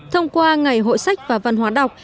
thông qua ngày hội sách và văn hóa đọc